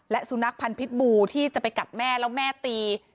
และสุนัขพันธ์พิษบูที่จะไปกัดแม่แล้วแม่ตี